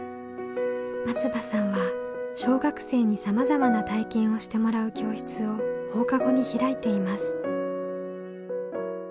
松場さんは小学生にさまざまな体験をしてもらう教室を放課後に開いています。